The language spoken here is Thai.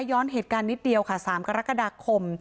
ย้อนเหตุการณ์นิดเดียวค่ะ๓กรกฎาคม